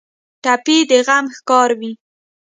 ټپي د غم ښکار وي.